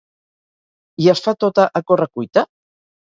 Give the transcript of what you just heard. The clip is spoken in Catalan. I es fa tota a correcuita?